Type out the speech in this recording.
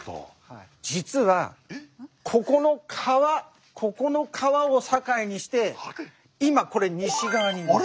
実はここの川ここの川を境にして今これ西側にいます。